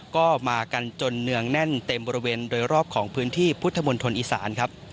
ก็มากันจนเนืองแน่นเต็มบริเวณโดยรอบของพื้นที่พุทธมณฑลอีสานครับ